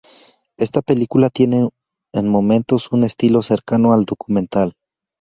Esta película tiene en momentos un estilo cercano al documental.